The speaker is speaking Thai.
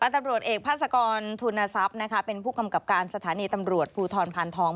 ตำรวจเอกภาษากรทุนทรัพย์นะคะเป็นผู้กำกับการสถานีตำรวจภูทรพานทอง